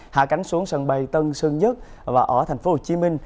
hạ cánh xuống sân bay tân sơn nhất và ở tp hcm